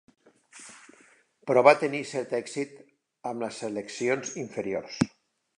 Però, va tenir cert èxit amb les seleccions inferiors.